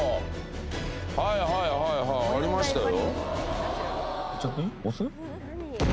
はい、はい、はい、ありましたよ。